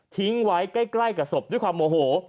ทิ้งไว้ใกล้กับศพด้วยความโมโห